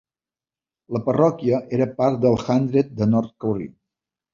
La parròquia era part del Hundred de North Curry.